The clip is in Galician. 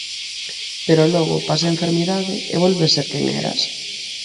Pero logo pasa a enfermidade e volves ser quen eras.